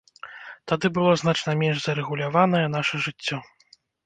Тады было значна менш зарэгуляванае наша жыццё.